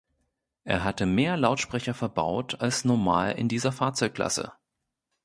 Er hatte mehr Lautsprecher verbaut als normal in dieser Fahrzeugklasse.